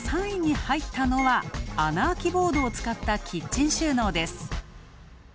３位に入ったのは穴あきボードを使ったキッチン収納です。